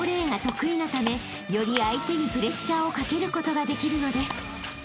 ［より相手にプレッシャーをかけることができるのです］